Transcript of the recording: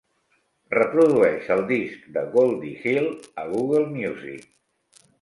Reprodueix el disc de Goldie Hill a Google Music.